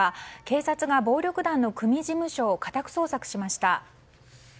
警察が暴力団の組事務所を家宅捜索しました。